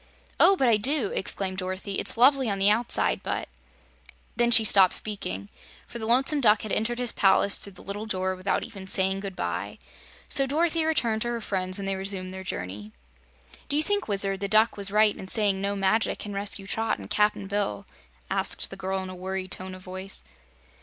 "Oh, but I do!" exclaimed Dorothy. "It's lovely on the outside, but " Then she stopped speaking, for the Lonesome Duck had entered his palace through the little door without even saying good bye. So Dorothy returned to her friends and they resumed their journey. "Do you think, Wizard, the Duck was right in saying no magic can rescue Trot and Cap'n Bill?" asked the girl in a worried tone of voice.